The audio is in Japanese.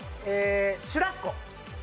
シュラスコ。